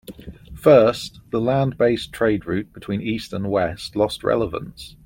First, the land based trade route between east and west lost relevance.